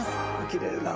きれいな。